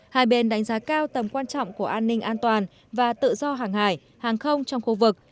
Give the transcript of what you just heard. hai bên đánh giá cao tầm quan trọng của an ninh an toàn và tự do hàng hải hàng không trong khu vực